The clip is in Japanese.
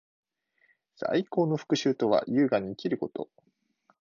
最高の復讐とは，優雅に生きること。